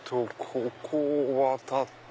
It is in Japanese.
ここを渡って。